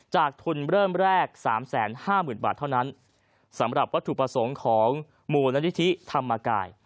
จากทุนเริ่มแรก๓๕๐๐๐๐บาทเท่านั้นสำหรับวัตถุประสงค์ของมูลนาฤทธิธรรมกาย